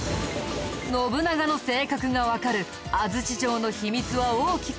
信長の性格がわかる安土城の秘密は大きく３つ。